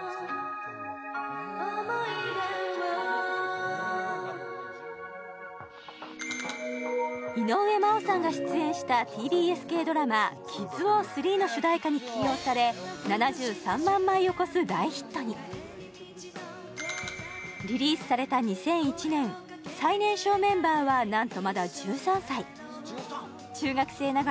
ソング井上真央さんが出演したＴＢＳ系ドラマ「キッズ・ウォー３」の主題歌に起用され７３万枚を超す大ヒットにリリースされた２００１年最年少メンバーはなんとまだ１３歳中学生ながら